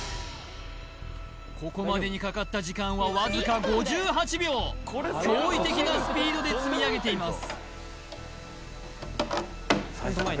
ここまでにかかった時間はわずか５８秒驚異的なスピードで積み上げています